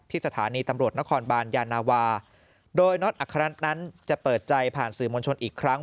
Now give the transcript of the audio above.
สถานีตำรวจนครบานยานาวาโดยน็อตอัครัตนั้นจะเปิดใจผ่านสื่อมวลชนอีกครั้ง